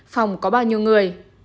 phòng có bao nhiêu người